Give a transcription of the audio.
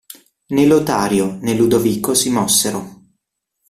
Né Lotario, né Ludovico si mossero.